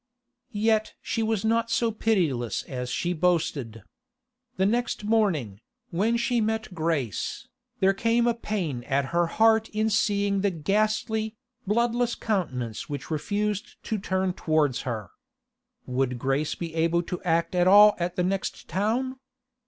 Yet she was not so pitiless as she boasted. The next morning, when she met Grace, there came a pain at her heart in seeing the ghastly, bloodless countenance which refused to turn towards her. Would Grace be able to act at all at the next town?